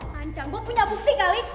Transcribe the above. lanceng gue punya bukti kali